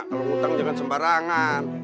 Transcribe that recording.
kalau hutang jangan sembarangan